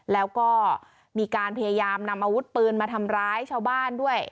แล้วก็มีการพยายามนำอาวุธปืนมาทำร้ายชาวบ้านด้วย